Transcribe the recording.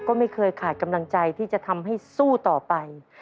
ก็ไม่เคยขาดกำลังใจที่จะทำให้สู้ต่อไป